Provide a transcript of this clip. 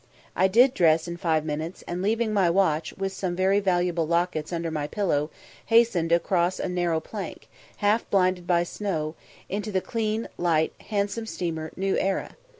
I did dress in five minutes, and, leaving my watch, with some very valuable lockets, under my pillow, hastened across a narrow plank, half blinded by snow, into the clean, light, handsome steamer New Era.